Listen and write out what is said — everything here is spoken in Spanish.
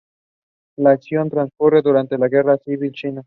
La acción transcurre durante la Guerra Civil China.